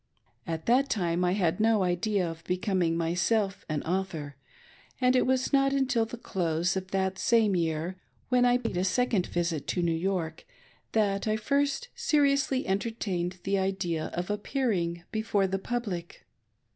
At that time, I had no idea of becoming myself an author, and it was not until the close of that same year, ^hen I paid a second visit to New York, that I first seriously entertained the idea of appearing before the public.